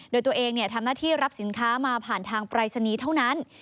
โดยตัวเองทำหน้าที่รับสินค้ามาผ่านทางปรายศนีย์เท่านั้น